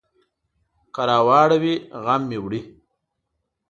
که راواړوي، غم مې وړي.